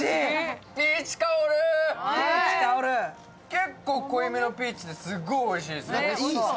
結構濃いめのピーチですごいおいしいです。